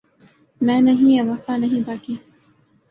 میں نہیں یا وفا نہیں باقی